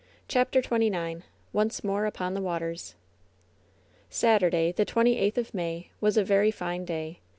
CHAPTER XXIX ^'OWCB MOEE UPON THE WATKBS" Saturday, the twenty eighth of May, was a very fine day.